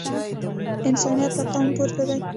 انسانیت له قوم پورته دی.